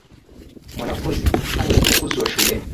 Mwanafunzi alifukuzwa shuleni.